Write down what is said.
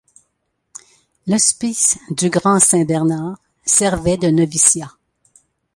L'hospice du Grand-Saint-Bernard servait de noviciat.